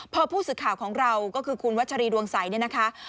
พอผู้สื่อข่าวของเราก็คือคุณวัชรีดวงใสเนี่ยนะคะ